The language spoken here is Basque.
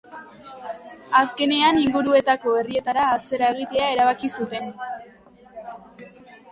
Azkenean inguruetako herrietara atzera egitea erabaki zuten.